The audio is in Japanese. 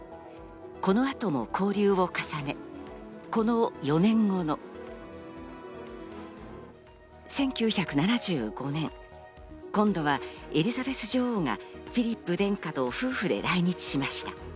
この後も交流を重ね、この４年後の１９７５年、今度はエリザベス女王がフィリップ殿下と夫婦で来日しました。